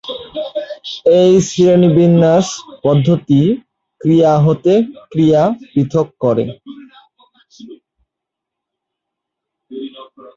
এই শ্রেণীবিন্যাস পদ্ধতি ক্রীড়া হতে ক্রীড়া পৃথক করে।